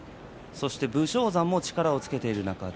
武将山も力をつけています。